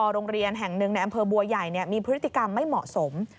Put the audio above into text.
โรงเรียนแห่งหนึ่งในอำเภอบัวใหญ่มีพฤติกรรมไม่เหมาะสม